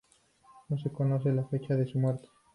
No se conoce la fecha de su muerte.